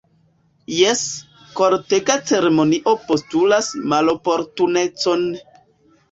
Jes, kortega ceremonio postulas maloportunecon!